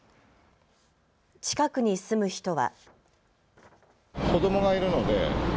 近くに住む人は。